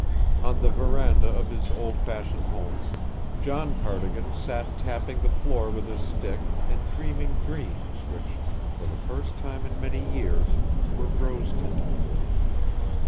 On the veranda of his old fashioned home, John Cardigan sat tapping the floor with his stick and dreaming dreams which, for the first time in many years, were rose tinted.